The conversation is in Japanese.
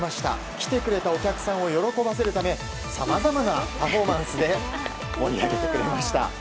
来てくれたお客さんを喜ばせるためさまざまなパフォーマンスで盛り上げてくれました。